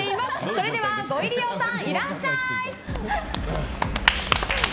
それでは、ご入り用さんいらっしゃーい！